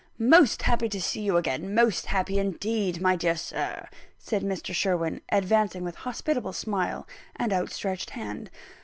"Most happy to see you again most happy indeed, my dear Sir," said Mr. Sherwin, advancing with hospitable smile and outstretched hand.